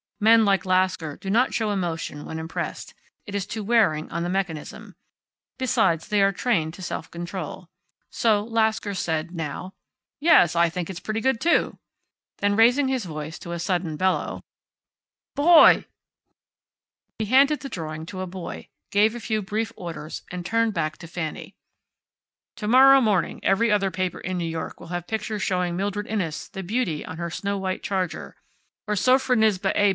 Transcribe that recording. Men like Lasker do not show emotion when impressed. It is too wearing on the mechanism. Besides, they are trained to self control. So Lasker said, now: "Yes, I think it's pretty good, too." Then, raising his voice to a sudden bellow, "Boy!" He handed the drawing to a boy, gave a few brief orders, and turned back to Fanny. "To morrow morning every other paper in New York will have pictures showing Mildred Inness, the beauty, on her snow white charger, or Sophronisba A.